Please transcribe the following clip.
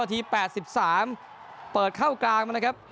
ที๘๓เปิดเข้ากลางมานะครับ